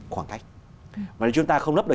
khoảng cách và nếu chúng ta không nấp được